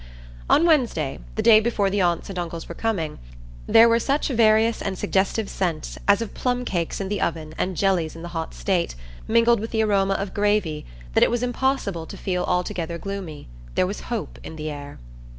On Wednesday, the day before the aunts and uncles were coming, there were such various and suggestive scents, as of plumcakes in the oven and jellies in the hot state, mingled with the aroma of gravy, that it was impossible to feel altogether gloomy: there was hope in the air.